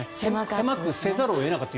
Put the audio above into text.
狭くせざるを得なかった。